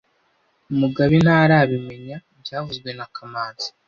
Mugabe ntarabimenya byavuzwe na kamanzi